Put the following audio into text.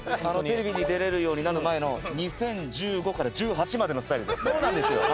テレビに出れるようになる前の２０１５から１８までのスタイルです。